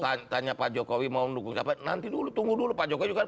tanda tanya pak jokowi mau mendukung siapa nanti dulu tunggu dulu pak jokowi juga